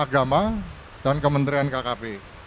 agama dan kementerian kkp